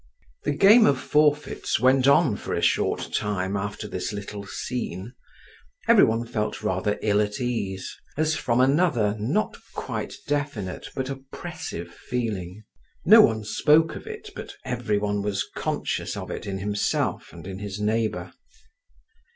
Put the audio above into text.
The game of forfeits went on for a short time after this little scene; every one felt rather ill at ease, not so much on account of this scene, as from another, not quite definite, but oppressive feeling. No one spoke of it, but every one was conscious of it in himself and in his neighbour.